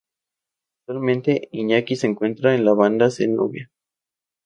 Actualmente, Iñaki se encuentra en la banda Zenobia.